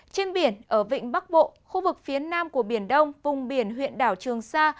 trên biển ở vịnh bắc bộ khu vực phía nam của biển đông vùng biển huyện đảo trường sa